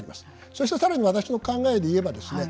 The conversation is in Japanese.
そして更に私の考えで言えばですね